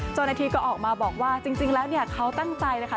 โจรนาทีก็ออกมาบอกว่าจริงแล้วเขาตั้งใจนะคะ